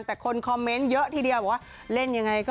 แต่คนคอมเมนต์เยอะทีเดียวบอกว่าเล่นยังไงก็